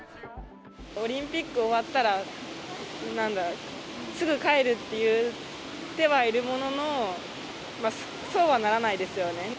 オリンピック終わったら、すぐ帰るって言ってはいるものの、そうはならないですよね。